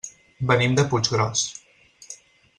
Venim de Puiggròs.